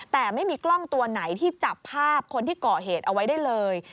แต่ไม่มีกล้องตัวไหนที่จับภาพคนที่ก่อเหตุเอาไว้ได้เลย